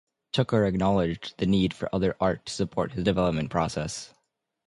Tooker acknowledged the need for other art to support his development process.